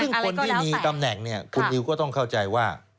ซึ่งคนที่มีตำแหน่งเนี่ยคุณนิวก็ต้องเข้าใจว่า